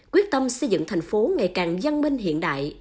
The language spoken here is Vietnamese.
quyết tâm xây dựng thành phố ngày càng văn minh hiện đại